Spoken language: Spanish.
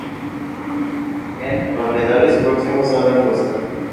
En roquedales próximos a la costa.